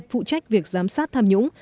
phụ trách việc giám sát thảm nhũng